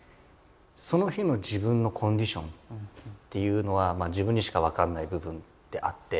その日の自分のコンディションっていうのは自分にしか分からない部分ってあって。